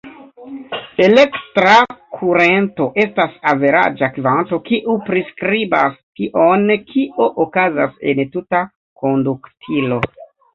Elektra kurento estas averaĝa kvanto, kiu priskribas tion kio okazas en tuta konduktilo.